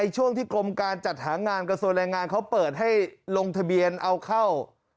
ช่วงที่กรมการจัดหางานกระทรวงแรงงานเขาเปิดให้ลงทะเบียนเอาเข้า